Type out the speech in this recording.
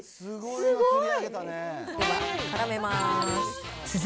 すごい。